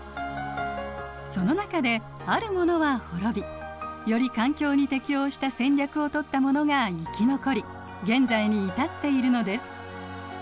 その中であるものは滅びより環境に適応した戦略をとったものが生き残り現在に至っているのです。